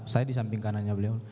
saya di samping kanannya beliau